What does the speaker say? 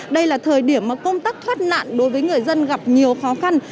đây là thời điểm mà công tác thoát nạn đối với người dân gặp nhiều khó khăn